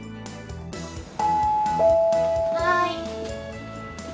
はい。